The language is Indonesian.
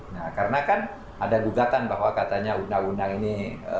nah karena kan ada gugatan bahwa katanya undang undang ini